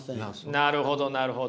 なるほどなるほど。